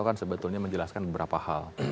kan sebetulnya menjelaskan beberapa hal